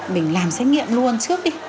mình làm xét nghiệm luôn trước đi